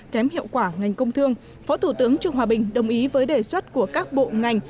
kém hiệu quả ngành công thương phó thủ tướng trương hòa bình đồng ý với đề xuất của các bộ ngành